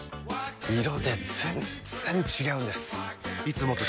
色で全然違うんです！